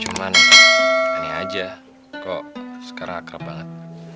cuman aneh aja kok sekarang akrab banget